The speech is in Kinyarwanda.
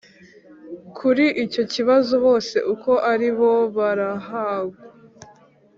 kuri icyo kibazo bose uko ari bo barahagwa